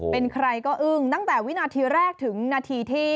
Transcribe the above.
เป็นใครก็อึ้งตั้งแต่วินาทีแรกถึงนาทีที่